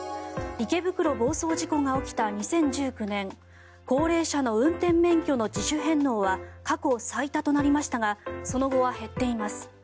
池袋暴走事故が起きた２０１９年高齢者の運転免許の自主返納は過去最多となりましたがその後は減っています。